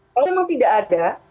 kalau memang tidak ada